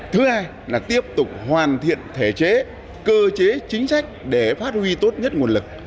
thứ hai là tiếp tục hoàn thiện thể chế cơ chế chính sách để phát huy tốt nhất nguồn lực